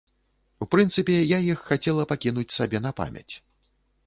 У прынцыпе, я іх хацела пакінуць сабе на памяць.